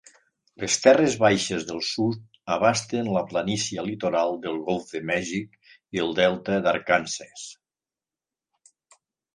Les terres baixes del sud abasten la planícia litoral del Golf de Mèxic i el Delta d'Arkansas.